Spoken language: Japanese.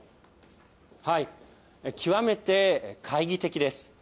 極めて懐疑的です。